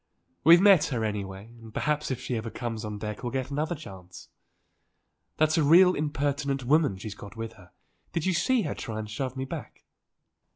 "We've met her, anyway, and perhaps if she ever comes on deck we'll get another chance. That's a real impertinent woman she's got with her. Did you see her try and shove me back?"